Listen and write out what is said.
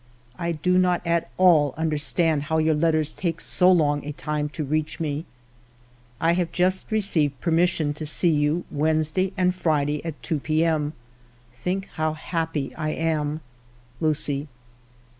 I do not at all understand how your letters take so long a time to reach me. ..." I have just received permission to see you Wednesday and Friday at 2 p.m. Think how happy I am. ... Lucie.'